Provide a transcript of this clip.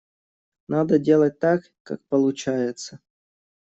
Надо делать так, как получается.